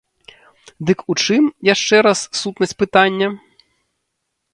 Дык у чым, яшчэ раз, сутнасць пытання?